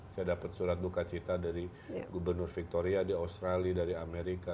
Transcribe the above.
saya dapat surat duka cita dari gubernur victoria di australia dari amerika